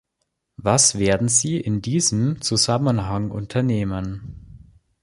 Was werden Sie in diesem Zusammenhang unternehmen?